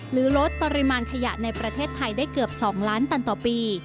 ลดปริมาณขยะในประเทศไทยได้เกือบ๒ล้านตันต่อปี